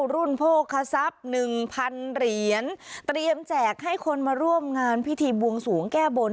โภคทรัพย์หนึ่งพันเหรียญเตรียมแจกให้คนมาร่วมงานพิธีบวงสวงแก้บน